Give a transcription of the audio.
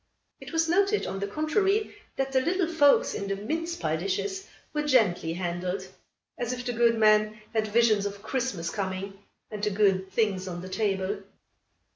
It was noted, on the contrary, that the little folks in the mince pie dishes were gently handled, as if the good man had visions of Christmas coming and the good things on the table.